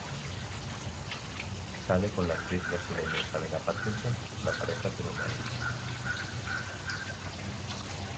Sale con la actriz brasileña Isabella Parkinson, la pareja tiene una hija.